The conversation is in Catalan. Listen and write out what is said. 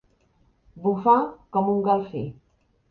Bufar com un galfí.